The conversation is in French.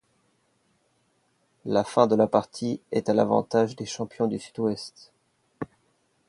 La fin de la partie est à l'avantage des champions du Sud-Ouest.